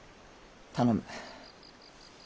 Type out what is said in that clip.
頼む。